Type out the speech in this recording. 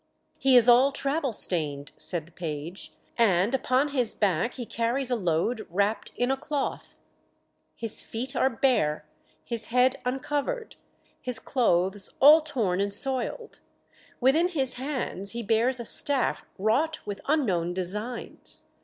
"He is all travel stained," said the page, "and upon his back he carries a load wrapped in a cloth. His feet are bare, his head uncovered, his clothes all torn and soiled; within his hands he bears a staff wrought with unknown designs.